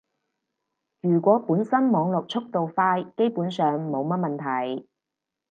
如果本身網絡速度快，基本上冇乜問題